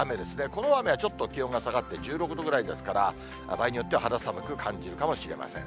この雨はちょっと気温が下がって１６度ぐらいですから、場合によっては肌寒く感じるかもしれません。